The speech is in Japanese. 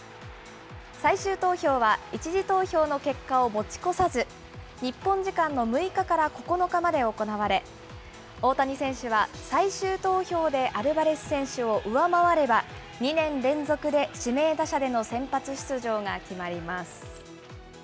最終投票は１次投票の結果を持ち越さず、日本時間の６日から９日まで行われ、大谷選手は最終投票でアルバレス選手を上回れば、２年連続で指名打者での先発出場が決まります。